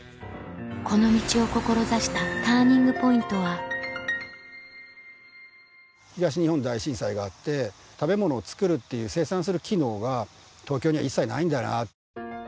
この道を志したＴＵＲＮＩＮＧＰＯＩＮＴは東日本大震災があって食べ物を作るっていう生産する機能が東京には一切ないんだな。